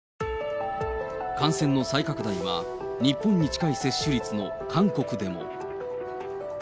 感染の再拡大は日本に近い接種率の韓国でも。